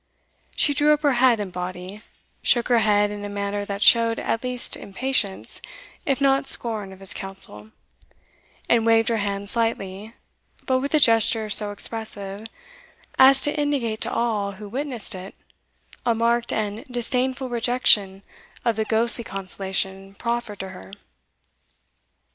She drew up her head and body, shook her head in a manner that showed at least impatience, if not scorn of his counsel, and waved her hand slightly, but with a gesture so expressive, as to indicate to all who witnessed it a marked and disdainful rejection of the ghostly consolation proffered to her.